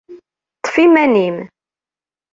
Ṭṭef iman-im.